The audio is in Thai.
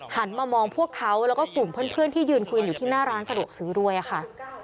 หันมามองพวกเขาแล้วก็กลุ่มเพื่อนที่ยืนคุยกันอยู่ที่หน้าร้านสะดวกซื้อด้วยค่ะ